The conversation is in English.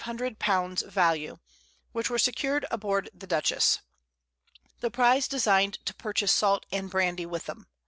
_ value, which were secur'd aboard the Dutchess. The Prize design'd to purchase Salt and Brandy with 'em.